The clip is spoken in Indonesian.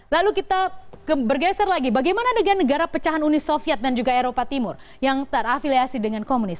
lalu kita bergeser lagi bagaimana dengan negara pecahan uni soviet dan juga eropa timur yang terafiliasi dengan komunis